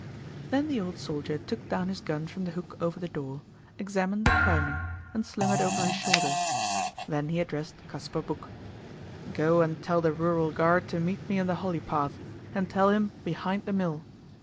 Then the old soldier took down his gun from the hook over the door, examined the priming, and slung it over his shoulder; then he addressed Kasper Boeck: "Go and tell the rural guard to meet me in the holly path, and tell him behind the mill.